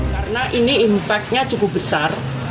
karena ini impactnya cukup besar